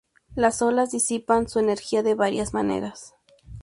Las olas disipan su energía de varias maneras.